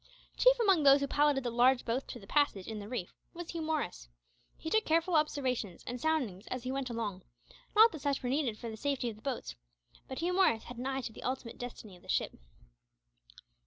Chief among those who piloted the large boats through the passage in the reef was Hugh Morris. He took careful observations and soundings as he went along, not that such were needed for the safety of the boats, but Hugh Morris had an eye to the ultimate destiny of the ship.